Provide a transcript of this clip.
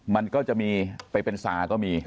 มันก็จะมีไปเป็นซาก็มี